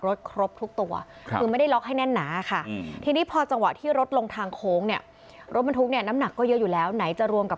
รถทุกตัวสื้อไม่ได้ล็อกให้แน่นหนาค่ะ